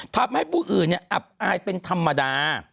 ทำให้ผู้อื่นอับอายเป็นธรรมดา